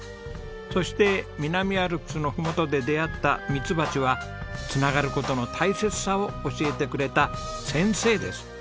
そして南アルプスのふもとで出会ったミツバチは繋がる事の大切さを教えてくれた先生です。